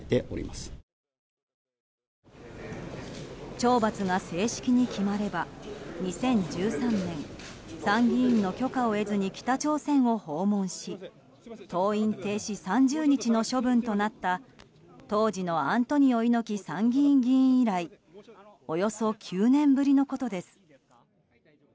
懲罰が正式に決まれば２０１３年、参議院の許可を得ずに北朝鮮を訪問し登院停止３０日の処分となった当時のアントニオ猪木参議院議員以来およそ９年ぶりのことです。